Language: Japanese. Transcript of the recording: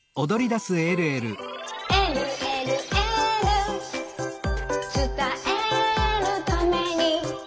「えるえるエール」「つたえるために」